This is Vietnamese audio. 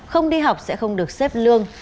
không đi học sẽ không được xếp lương